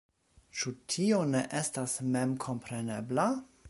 Ĉu tio ne estas memkomprenebla?